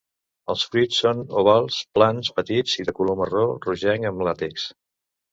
Els fruits són ovals, plans, petits i de color marró rogenc amb làtex.